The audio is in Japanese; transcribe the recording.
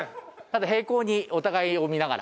平行にお互いを見ながら。